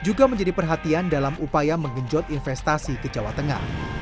juga menjadi perhatian dalam upaya mengenjot investasi ke jawa tengah